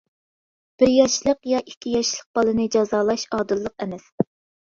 بىر ياشلىق يا ئىككى ياشلىق بالىنى جازالاش ئادىللىق ئەمەس.